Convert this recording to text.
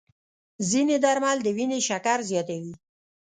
ځینې درمل د وینې شکر زیاتوي.